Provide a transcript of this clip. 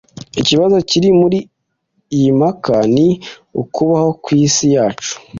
ikibazo kiri muriyi mpaka ni ukubaho kwisi yacu